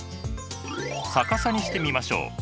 逆さにしてみましょう。